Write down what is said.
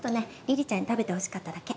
梨々ちゃんに食べてほしかっただけ。